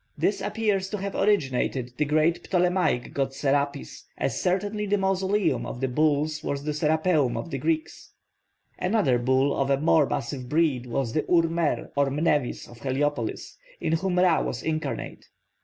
This appears to have originated the great Ptolemaic god Serapis, as certainly the mausoleum of the bulls was the Serapeum of the Greeks. Another bull of a more massive breed was the Ur mer or Mnevis of Heliopolis, in whom Ra was incarnate.